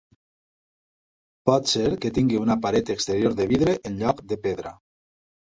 Pot ser que tingui una paret exterior de vidre en lloc de pedra.